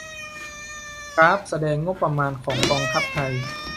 กราฟแสดงงบประมาณของกองทัพไทย